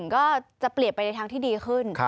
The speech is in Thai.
ก็จะเปลี่ยนไปในทางที่ดีขึ้น